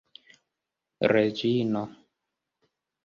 reĝino